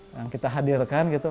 yang kita hadirkan gitu